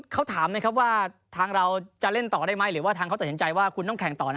เขาถามไหมครับว่าทางเราจะเล่นต่อได้ไหมหรือว่าทางเขาตัดสินใจว่าคุณต้องแข่งต่อนะ